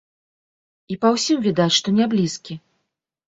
І па ўсім відаць, што няблізкі.